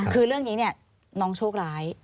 คือเรื่องนี้เนี่ยน้องโชคร้าย